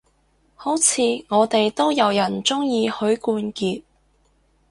好似我哋都有人鍾意許冠傑